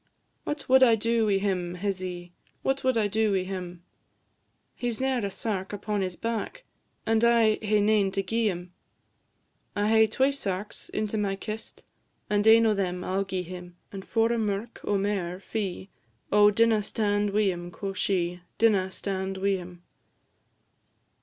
"What wad I do wi' him, hizzy? What wad I do wi' him? He 's ne'er a sark upon his back, And I hae nane to gi'e him." "I hae twa sarks into my kist, And ane o' them I 'll gi'e him; And for a merk o' mair fee, Oh, dinna stand wi' him," quo' she; "Dinna stand wi' him.